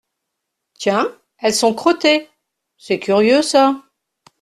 Tiens ! elles sont crottées !… c’est curieux, ça !…